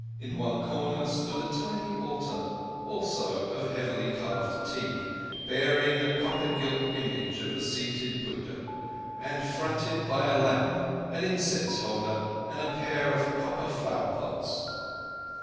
In one corner stood a tiny altar, also of heavily carved teak, bearing a copper gilt image of the seated Buddha and fronted by a lamp, an incense holder, and a pair of copper flower pots.